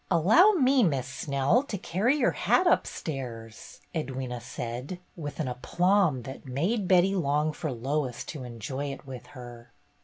"Allow me. Miss Snell, to carry your hat upstairs," Edwyna said, with an aplomb that made Betty long for Lois to enjoy it with her.